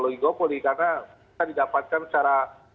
logikopoli karena kita didapatkan secara